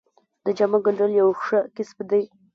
د جامو ګنډل یو ښه کسب دی